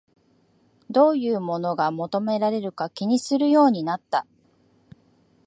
どういうものが求められるか気にするようになった